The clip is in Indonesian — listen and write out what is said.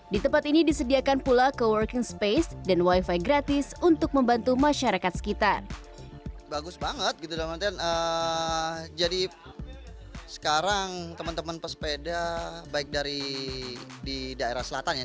di tempat ini disediakan pula co working space dan wifi gratis untuk membantu masyarakat sekitar